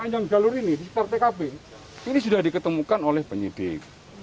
sepanjang jalur ini di per tkp ini sudah diketemukan oleh penyidik